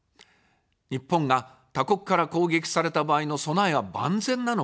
日本が他国から攻撃された場合の備えは万全なのか。